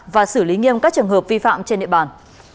và xử lý nghiêm các trường hợp vi phạm trên địa bàn